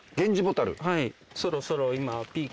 はいそろそろ今。